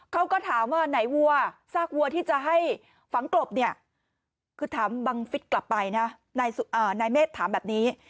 เขาก็ถามว่าไหนวัวซากวัวที่จะให้ฝังกลบเนี่ยคือถามบังฟิศกลับไปนะนายเมฆถามแบบนี้